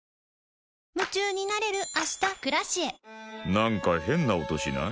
なんか変な音しない？